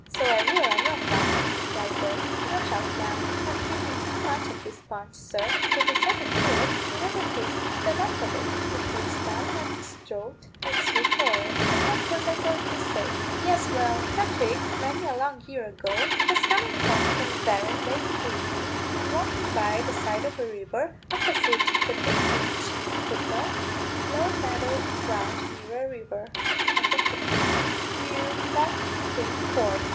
"So I will and welcome," replied Bourke. "Your health, ma'am. I'm drinking too much of this punch, sir; but to tell the truth, I never tasted the like of it; it goes down one's throat like sweet oil. But what was I going to say? Yes well Patrick, many a long year ago, was coming home from a berrin late in the evening, and walking by the side of a river, opposite the big inch, near Ballyhefaan ford.